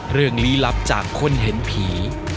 เรื่องลี้ลับจากคนเห็นผี